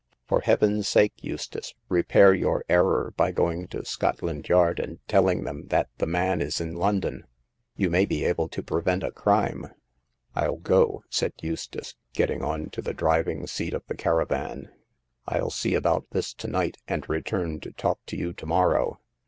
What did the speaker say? " For heaven's sake, Eustace, repair your error by going to Scotland Yard and telling them that the man is in London ! You may be able to prevent a crime." ril go," said Eustace, getting on to the driv ing seat of the caravan. "FU see about this to night, and return to talk to you to morrow.